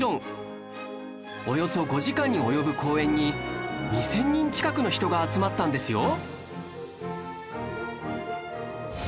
およそ５時間に及ぶ講演に２０００人近くの人が集まったんですよ